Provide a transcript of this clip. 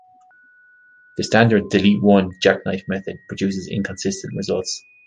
The standard 'delete one' jackknife method produces inconsistent results.